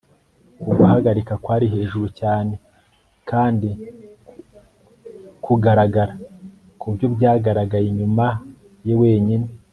uku guhagarika kwari hejuru cyane kandi kugaragara kuburyo byagaragaye nyuma ye wenyine